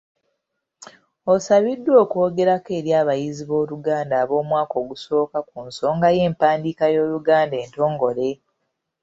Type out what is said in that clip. Osabiddwa okwogerako eri abayizi b’oluganda ab’omwaka ogusooka ku nsonga y’empandiika y’Oluganda entongole.